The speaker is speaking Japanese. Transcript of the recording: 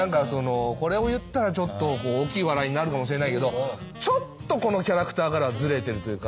これを言ったら大きい笑いになるかもしれないけどちょっとこのキャラクターからはずれてるというか。